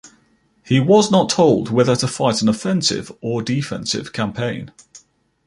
He was not told whether to fight an offensive or defensive campaign.